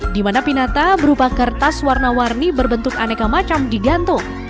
di mana pinata berupa kertas warna warni berbentuk aneka macam digantung